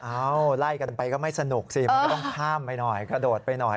ไล่กันไปก็ไม่สนุกสิมันก็ต้องข้ามไปหน่อยกระโดดไปหน่อย